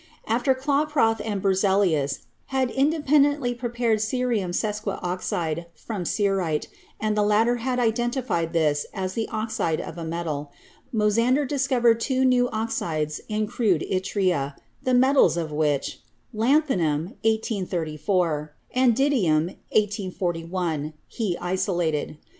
After Klaproth and Berzelius had independently prepared cerium sesqui oxide from cerite, and the latter had identified this as the oxide of a metal, Mosander discovered two new oxides in crude yttria, the metals of which — lanthanum (1834) 254 CHEMISTRY and didymium (1841)— he isolated.